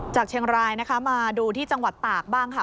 จากเชียงรายนะคะมาดูที่จังหวัดตากบ้างค่ะ